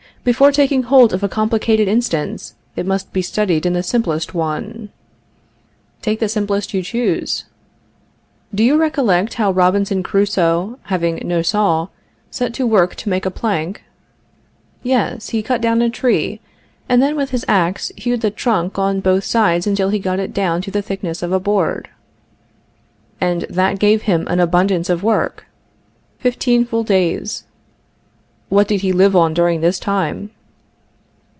Before taking hold of a complicated instance, it must be studied in the simplest one. Take the simplest you choose. Do you recollect how Robinson Crusoe, having no saw, set to work to make a plank? Yes. He cut down a tree, and then with his ax hewed the trunk on both sides until he got it down to the thickness of a board. And that gave him an abundance of work? Fifteen full days. What did he live on during this time?